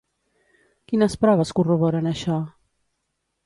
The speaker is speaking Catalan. Quines proves corroboren això?